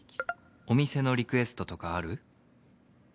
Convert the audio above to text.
「お店のリクエストとかある？」。